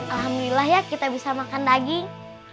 alhamdulillah ya kita bisa makan daging